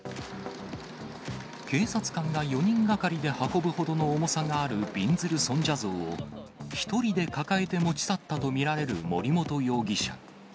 警察官が４人がかりで運ぶほどの重さがあるびんずる尊者像を、１人で抱えて持ち去ったと見られる森本容疑者。